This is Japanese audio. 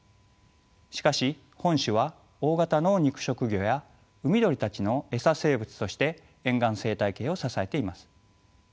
しかし本種は大型の肉食魚や海鳥たちの餌生物として沿岸生態系を支えています。